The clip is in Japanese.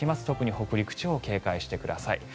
特に北陸地方警戒してください。